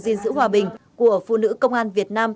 gìn giữ hòa bình của phụ nữ công an việt nam